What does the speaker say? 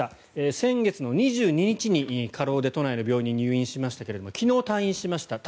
先月の２２日に過労で都内の病院に入院しましたが昨日退院しました。